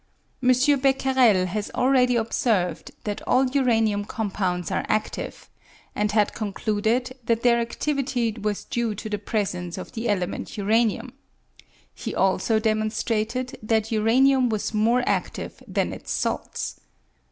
M. Becquerel had already observed that all uranium compounds are adive, and had concluded that their adivity was due to the presence of the element uranium ; he also demonstrated that uranium was more adive than its salts.